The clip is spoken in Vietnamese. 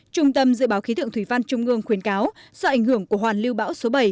trung tâm dự báo khí tượng thủy văn trung ương khuyến cáo do ảnh hưởng của hoàn lưu bão số bảy